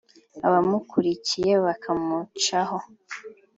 abamukurikiye bakamucaho